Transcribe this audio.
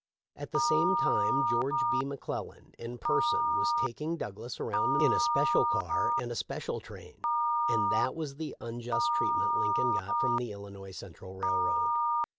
At the same time George B. McClellan in person was taking Douglas around in a special car and special train ; and that was the un just treatment Lincoln got from the Illinois Central railroad.